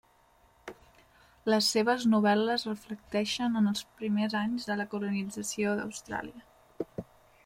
Les seves novel·les reflecteixen els primers anys de la colonització d’Austràlia.